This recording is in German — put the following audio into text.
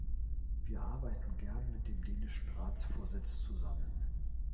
Wir arbeiten gern mit dem dänischen Ratsvorsitz zusammen.